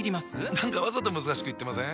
何かわざと難しく言ってません？